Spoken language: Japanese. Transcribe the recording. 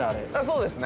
◆そうですね。